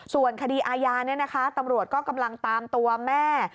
ส่วนคดีอาญาตำรวจก็กำลังตามตัวแม่